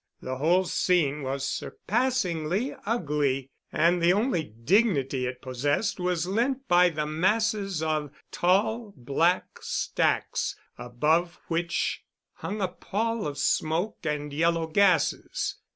The whole scene was surpassing ugly, and the only dignity it possessed was lent by the masses of tall black stacks, above which hung a pall of smoke and yellow gases.